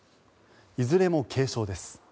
いずれも軽傷です。